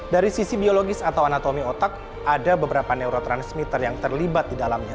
dari sisi biologis atau anatomi otak ada beberapa neurotransmitter yang terlibat di dalamnya